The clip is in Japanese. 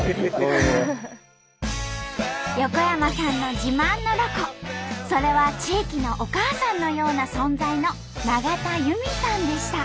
横山さんの自慢のロコそれは地域のお母さんのような存在の永田由美さんでした。